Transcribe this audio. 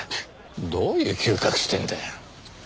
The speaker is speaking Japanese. どういう嗅覚してんだよ。